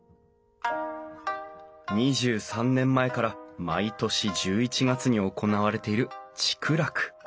２３年前から毎年１１月に行われている竹楽。